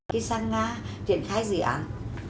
khi sang nga triển khai dự án